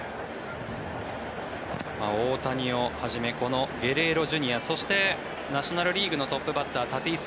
大谷をはじめこのゲレーロＪｒ．そしてナショナル・リーグのトップバッタータティス